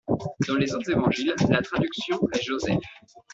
Dans les autres évangiles, la traduction est Joseph.